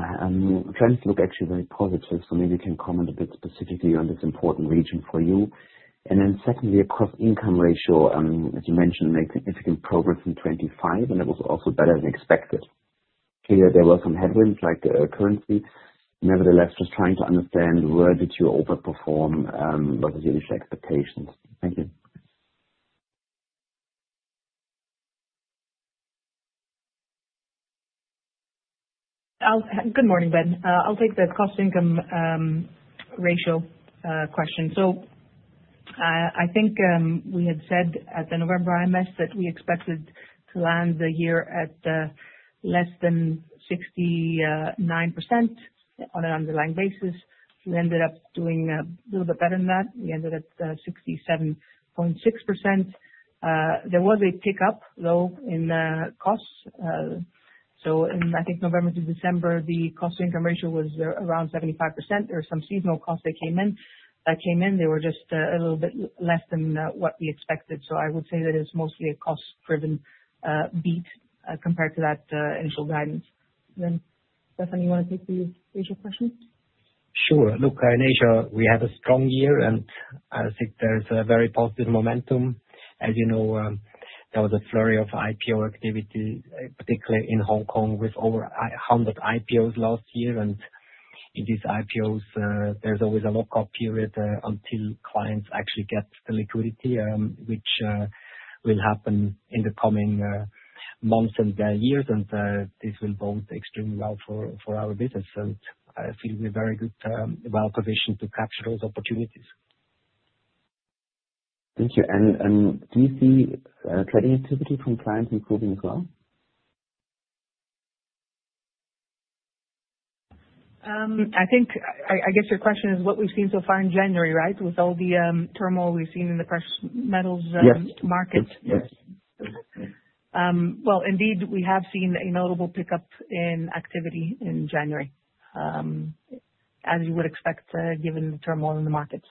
trends look actually very positive, so maybe you can comment a bit specifically on this important region for you. And then secondly, cost income ratio, as you mentioned, made significant progress in 2025, and it was also better than expected. Clearly there were some headwinds, like, currency. Nevertheless, just trying to understand where did you overperform, versus your initial expectations? Thank you. I'll-- Good morning, Ben. I'll take the cost income ratio question. So, I think, we had said at the November IMS that we expected to land the year at less than 69% on an underlying basis. We ended up doing little bit better than that. We ended at 67.6%. There was a tick up though, in costs, so in, I think, November to December, the cost income ratio was around 75%. There were some seasonal costs that came in, that came in, they were just a little bit less than what we expected. So I would say that it's mostly a cost-driven beat compared to that initial guidance. Then, Stefan, you wanna take the Asia question? Sure. Look, in Asia, we had a strong year, and I think there's a very positive momentum. As you know, there was a flurry of IPO activity, particularly in Hong Kong, with over a hundred IPOs last year. And in these IPOs, there's always a lockup period, until clients actually get the liquidity, which will happen in the coming months and years. And this will bode extremely well for, for our business. So I feel we're very good, well positioned to capture those opportunities. Thank you. And, do you see trading activity from clients improving as well? I think, I guess your question is what we've seen so far in January, right? With all the turmoil we've seen in the precious metals, Yes. - markets? Yes. Well, indeed, we have seen a notable pickup in activity in January, as you would expect, given the turmoil in the markets.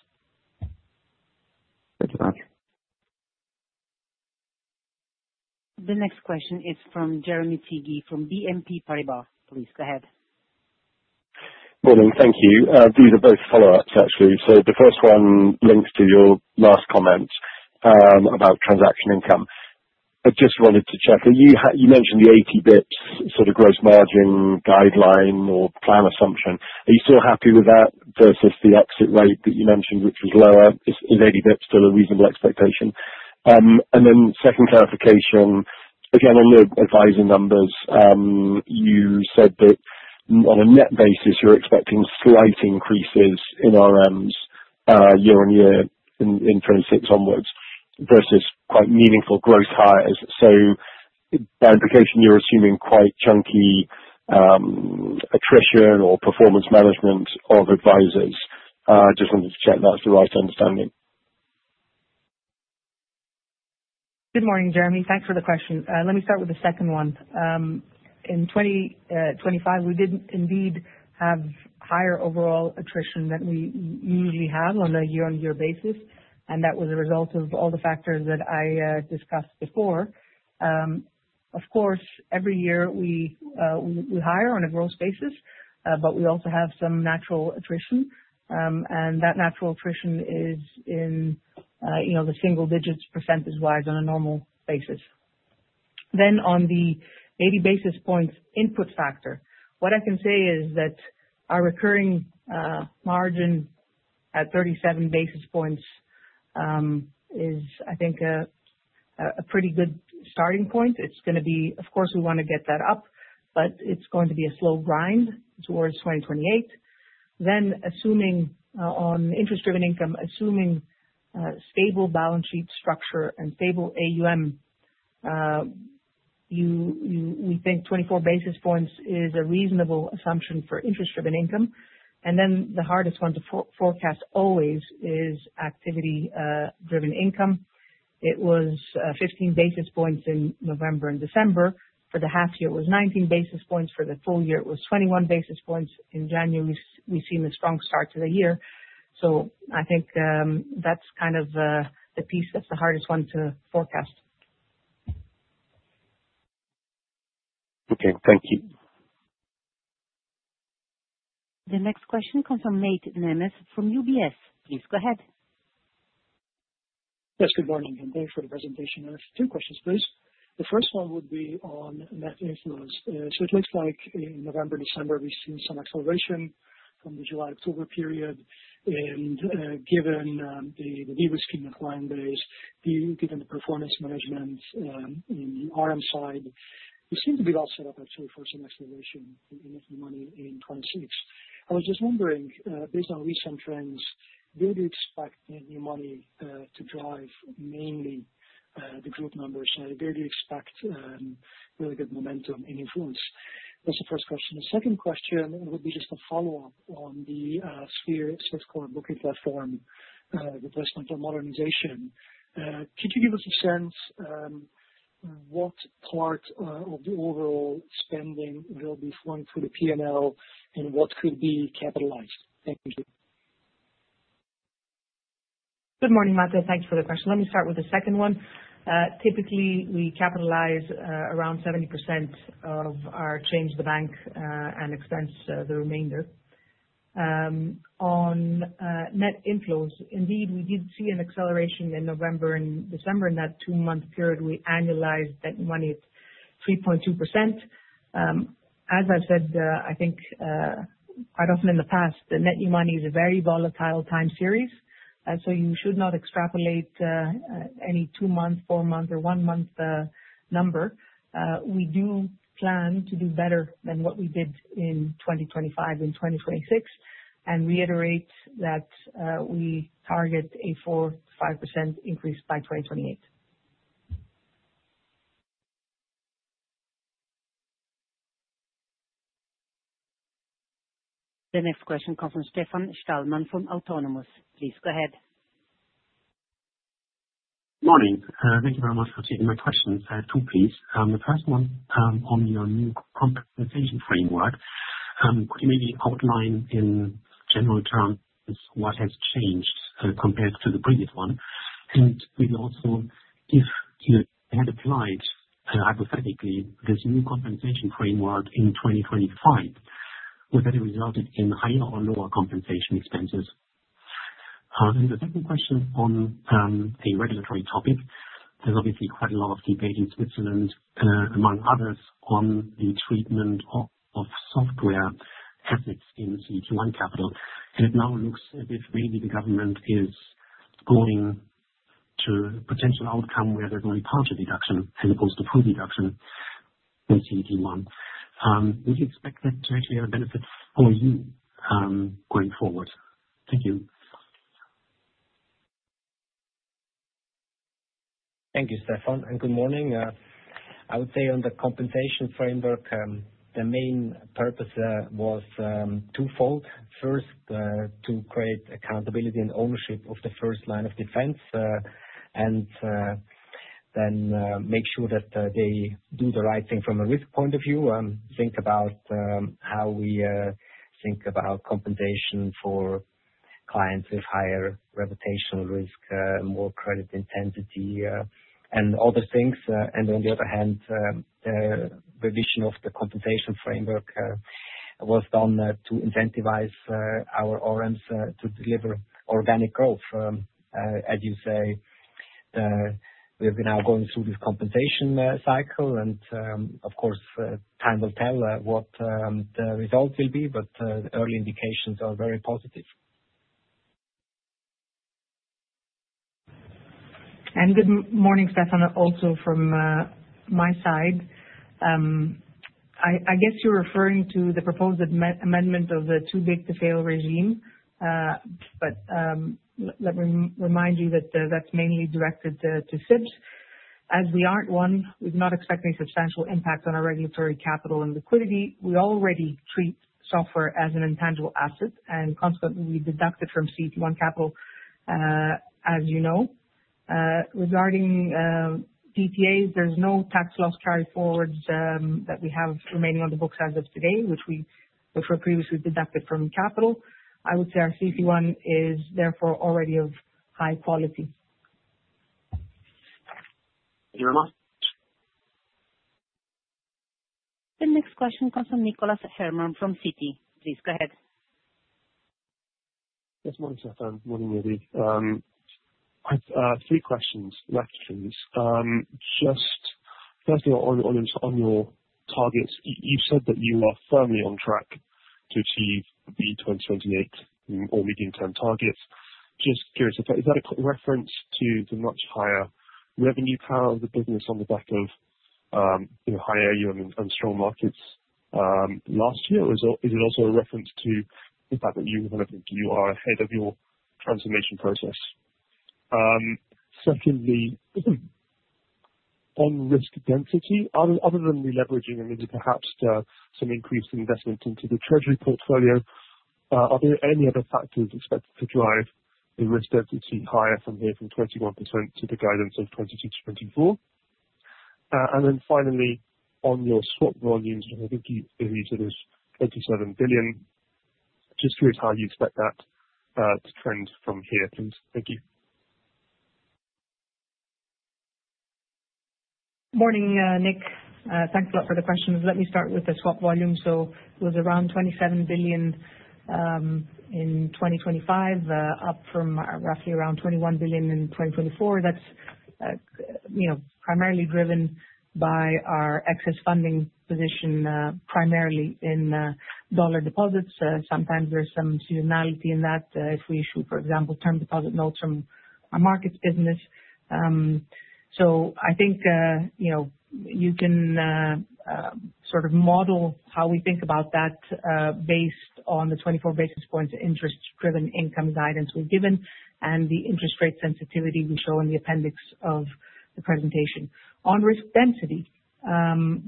Thank you. The next question is from Jeremy Sigee, from BNP Paribas. Please go ahead. Morning. Thank you. These are both follow-ups, actually. So the first one links to your last comment about transaction income. I just wanted to check, you mentioned the 80 BPS, sort of, gross margin guideline or plan assumption. Are you still happy with that versus the exit rate that you mentioned, which was lower? Is 80 BPS still a reasonable expectation? And then second clarification, again, on the advising numbers. You said that on a net basis, you're expecting slight increases in RMs year-on-year in 2026 onwards, versus quite meaningful growth hires. So by implication, you're assuming quite chunky attrition or performance management of advisors. Just wanted to check that's the right understanding. Good morning, Jeremy. Thanks for the question. Let me start with the second one. In 2025, we did indeed have higher overall attrition than we usually have on a year-on-year basis, and that was a result of all the factors that I discussed before. Of course, every year we hire on a gross basis, but we also have some natural attrition. And that natural attrition is in, you know, the single digits, percentage-wise on a normal basis. Then on the 80 basis points input factor, what I can say is that our recurring margin at 37 basis points is, I think, a pretty good starting point. It's gonna be... Of course, we wanna get that up, but it's going to be a slow grind towards 2028. Then assuming on interest-driven income, assuming stable balance sheet structure and stable AUM, we think 24 basis points is a reasonable assumption for interest-driven income. And then the hardest one to forecast always is activity driven income. It was fifteen basis points in November and December. For the half year, it was nineteen basis points, for the full year, it was twenty-one basis points. In January, we've seen a strong start to the year. So I think that's kind of the piece that's the hardest one to forecast. Okay. Thank you. The next question comes from Mate Nemes from UBS. Please go ahead. Yes, good morning, and thank you for the presentation. Two questions, please. The first one would be on net new money. So it looks like in November, December, we've seen some acceleration from the July, October period, and, given the new client base, do you—given the performance management in the RM side, you seem to be well set up, actually, for some acceleration in new money in 2026. I was just wondering, based on recent trends, do you expect net new money to drive mainly the group numbers? And do you expect really good momentum in new money? That's the first question. The second question would be just a follow-up on the so-called booking platform, the digital modernization. Could you give us a sense, what part of the overall spending will be flowing through the P&L and what could be capitalized? Thank you. Good morning, Matthew. Thanks for the question. Let me start with the second one. Typically, we capitalize around 70% of our CapEx in the bank and expense the remainder. On net inflows, indeed, we did see an acceleration in November and December. In that two-month period, we annualized net money at 3.2%. As I've said, I think quite often in the past, the net new money is a very volatile time series, so you should not extrapolate any two-month, four-month, or one-month number. We do plan to do better than what we did in 2025 and 2026, and reiterate that we target a 4-5% increase by 2028. The next question comes from Stefan Stalmann from Autonomous. Please go ahead. Morning. Thank you very much for taking my questions. I have two, please. The first one, on your new compensation framework, could you maybe outline, in general terms, what has changed, compared to the previous one? And will you also, if you had applied, hypothetically, this new compensation framework in 2025, would that have resulted in higher or lower compensation expenses? Then the second question on, a regulatory topic, there's obviously quite a lot of debate in Switzerland, among others, on the treatment of, of software assets in CET1 capital, and it now looks as if maybe the government is going to potential outcome where there's only partial deduction as opposed to full deduction in CET1. Would you expect that to actually have a benefit for you, going forward? Thank you. Thank you, Stefan, and good morning. I would say on the compensation framework, the main purpose was twofold. First, to create accountability and ownership of the first line of defense, and then make sure that they do the right thing from a risk point of view, think about how we think about compensation for clients with higher reputational risk, more credit intensity, and other things. And on the other hand, revision of the compensation framework was done to incentivize our ORMs to deliver organic growth. As you say, we have been now going through this compensation cycle and of course time will tell what the results will be, but the early indications are very positive. Good morning, Stefan, also from my side. I guess you're referring to the proposed amendment of the Too Big to Fail regime. Let me remind you that that's mainly directed to SIBs. As we aren't one, we've not expecting substantial impact on our regulatory capital and liquidity. We already treat software as an intangible asset, and consequently, we deduct it from CET1 capital, as you know. Regarding DTAs, there's no tax loss carry forwards that we have remaining on the books as of today, which were previously deducted from capital. I would say our CET1 is therefore already of high quality. Thank you very much. The next question comes from Nicholas Herman from Citi. Please go ahead. Yes, morning, Stefan, morning, Evie. I've three questions, rather statements. Just firstly on your targets, you've said that you are firmly on track to achieve the 2028 or medium-term targets. Just curious, is that a reference to the much higher revenue power of the business on the back of, you know, higher year and strong markets last year? Or is it also a reference to the fact that you are ahead of your transformation process? Secondly, on risk density, other than releveraging and maybe perhaps some increased investment into the treasury portfolio, are there any other factors expected to drive the risk density higher from here from 21% to the guidance of 22%-24%? And then finally, on your swap volumes, I think you said it was 27 billion. Just curious how you expect that to trend from here, please. Thank you. Morning, Nick. Thanks a lot for the question. Let me start with the swap volume. So it was around $27 billion in 2025, up from roughly around $21 billion in 2024. That's, you know, primarily driven by our excess funding position, primarily in dollar deposits. Sometimes there's some seasonality in that, if we issue, for example, term deposit notes from our markets business. So I think, you know, you can sort of model how we think about that, based on the 24 basis points interest driven income guidance we've given, and the interest rate sensitivity we show in the appendix of the presentation. On risk density,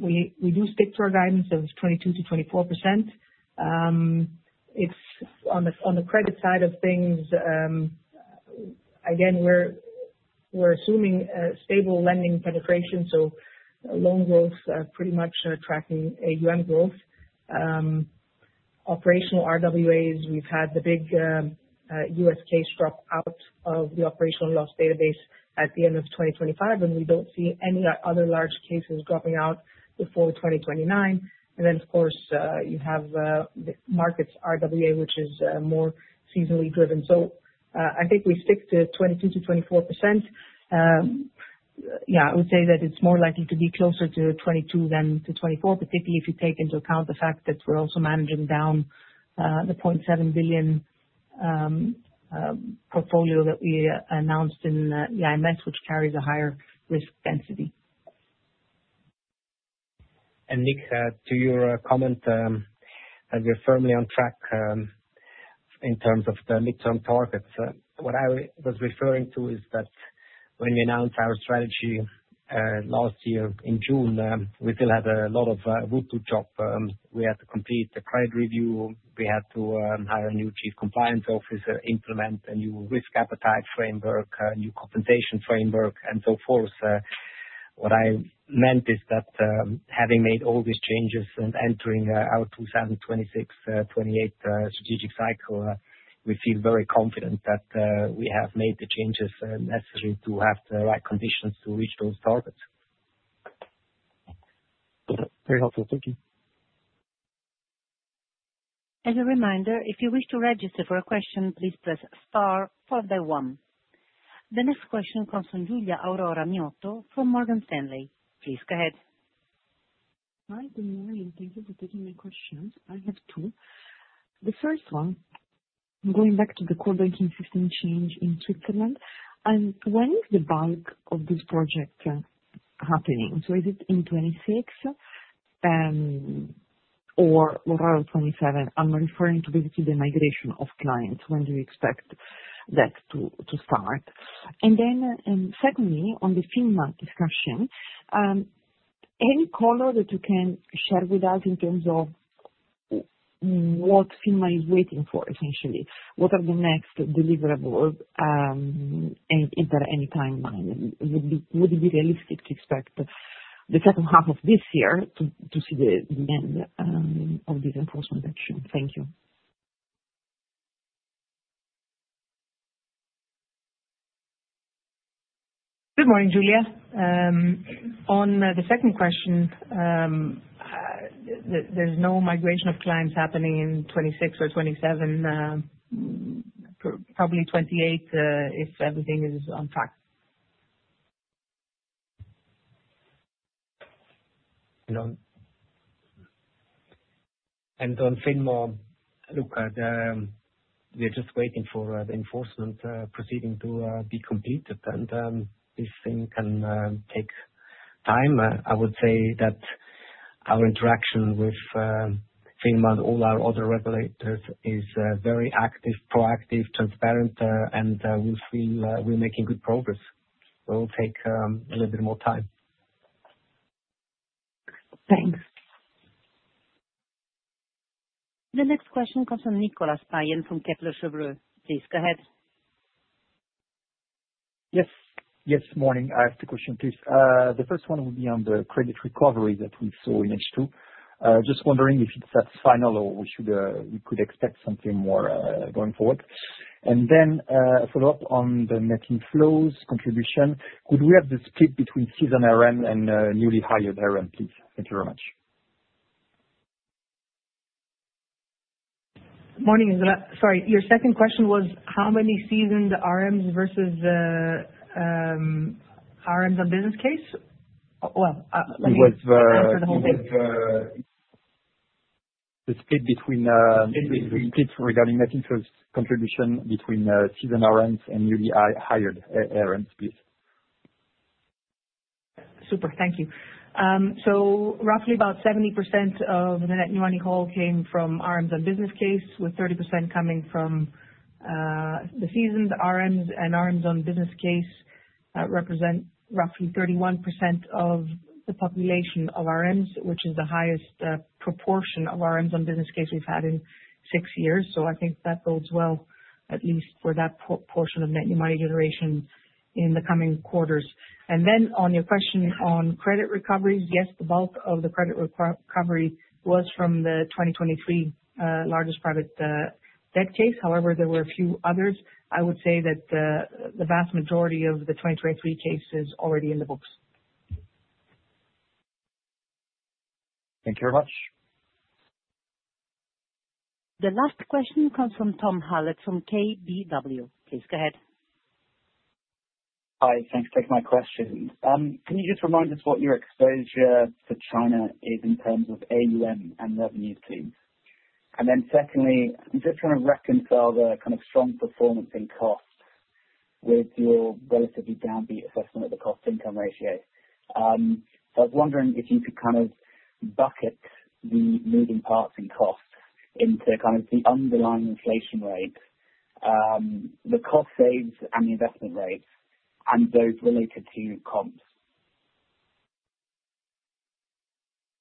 we, we do stick to our guidance of 22%-24%. It's on the credit side of things, again, we're assuming stable lending penetration, so loan growth pretty much tracking AUM growth. Operational RWAs, we've had the big U.S. case drop out of the operational loss database at the end of 2025, and we don't see any other large cases dropping out before 2029. And then of course, you have the markets RWA, which is more seasonally driven. So, I think we stick to 22%-24%. Yeah, I would say that it's more likely to be closer to 22 than to 24, particularly if you take into account the fact that we're also managing down the 0.7 billion portfolio that we announced in IMS, which carries a higher risk density. Nick, to your comment that we're firmly on track in terms of the midterm targets. What I was referring to is that when we announced our strategy last year in June, we still had a lot of work to do job. We had to complete the credit review, we had to hire a new Chief Compliance Officer, implement a new risk appetite framework, a new compensation framework, and so forth. What I meant is that having made all these changes and entering our 2026-2028 strategic cycle, we feel very confident that we have made the changes necessary to have the right conditions to reach those targets. Very helpful. Thank you. As a reminder, if you wish to register for a question, please press star followed by one. The next question comes from Giulia Aurora Miotto from Morgan Stanley. Please go ahead. Hi, good morning. Thank you for taking my questions. I have two. The first one, going back to the core banking system change in Switzerland, and when is the bulk of this project happening? So is it in 2026 or rather 2027? I'm referring to the migration of clients. When do you expect that to start? And then, secondly, on the FINMA discussion, any color that you can share with us in terms of what FINMA is waiting for, essentially? What are the next deliverables, and is there any timeline? Would it be realistic to expect the second half of this year to see the end of this enforcement action? Thank you. Good morning, Julia. On the second question, there's no migration of clients happening in 2026 or 2027, probably 2028, if everything is on track. On FINMA, look, we are just waiting for the enforcement proceeding to be completed, and this thing can take time. I would say that our interaction with FINMA all our other regulators is very active, proactive, transparent, and we feel we're making good progress. It will take a little bit more time. Thanks. The next question comes from Nicolas Payen from Kepler Cheuvreux. Please, go ahead. Yes. Yes, morning. I have two questions, please. The first one will be on the credit recovery that we saw in H2. Just wondering if it's that final or we should, we could expect something more, going forward? And then, a follow-up on the net inflows contribution. Could we have the split between seasoned RM and newly hired RM, please? Thank you very much. Morning, Isabella. Sorry, your second question was how many seasoned RMs versus RMs on business case? Well, let me- It was- Answer the whole thing. The split regarding net interest contribution between seasoned RMs and newly hired RMs, please. Super, thank you. So roughly about 70% of the net new money came from RMs on business case, with 30% coming from the seasoned RMs. And RMs on business case represent roughly 31% of the population of RMs, which is the highest proportion of RMs on business case we've had in six years. So I think that bodes well, at least for that portion of net new money generation in the coming quarters. And then on your question on credit recoveries, yes, the bulk of the credit recovery was from the 2023 largest private debt case. However, there were a few others. I would say that the vast majority of the 2023 case is already in the books.... Thank you very much. The last question comes from Thomas Hallett from KBW. Please go ahead. Hi, thanks for taking my question. Can you just remind us what your exposure to China is in terms of AUM and revenue stream? And then secondly, I'm just trying to reconcile the kind of strong performance in costs with your relatively downbeat assessment of the cost-income ratio. I was wondering if you could kind of bucket the moving parts and costs into kind of the underlying inflation rate, the cost saves and the investment rates and those related to comps.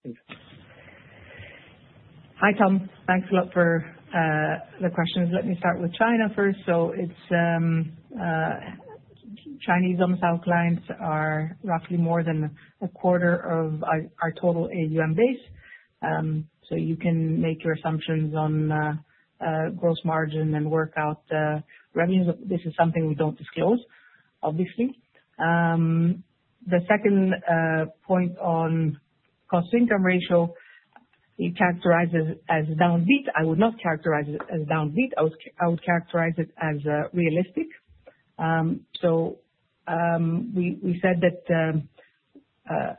Thank you. Hi, Tom. Thanks a lot for the questions. Let me start with China first. So it's Chinese onshore clients are roughly more than a quarter of our total AUM base. So you can make your assumptions on gross margin and work out the revenues. This is something we don't disclose, obviously. The second point on cost-income ratio, it characterizes as downbeat. I would not characterize it as downbeat. I would, I would characterize it as realistic. So we said that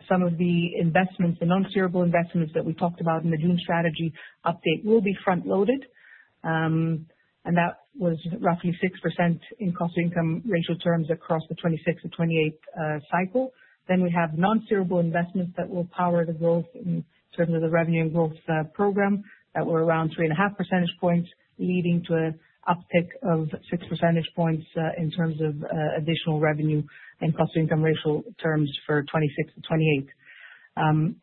some of the investments, the non-shareable investments that we talked about in the June strategy update, will be front loaded. And that was roughly 6% in cost-income ratio terms across the 26-28 cycle. Then we have non-shareable investments that will power the growth in terms of the revenue growth, program, that were around 3.5 percentage points, leading to an uptick of 6 percentage points, in terms of, additional revenue and cost-income ratio terms for 2026-2028.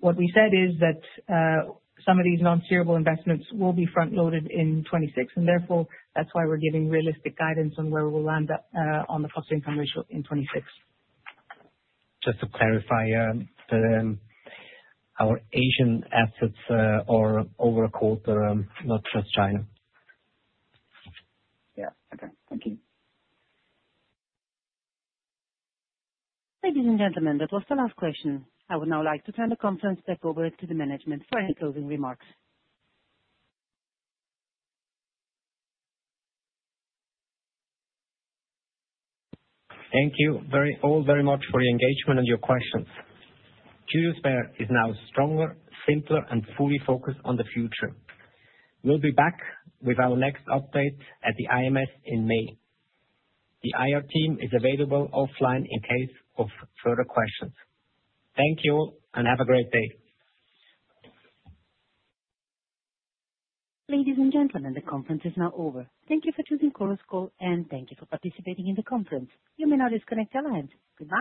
What we said is that, some of these non-shareable investments will be front loaded in 2026, and therefore, that's why we're giving realistic guidance on where we'll land at, on the cost-income ratio in 2026. Just to clarify, our Asian assets are over a quarter, not just China. Yeah. Okay, thank you. Ladies and gentlemen, that was the last question. I would now like to turn the conference back over to the management for any closing remarks. Thank you all very much for your engagement and your questions. Julius Baer is now stronger, simpler, and fully focused on the future. We'll be back with our next update at the IMS in May. The IR team is available offline in case of further questions. Thank you, and have a great day. Ladies and gentlemen, the conference is now over. Thank you for choosing Chorus Call, and thank you for participating in the conference. You may now disconnect your lines. Goodbye.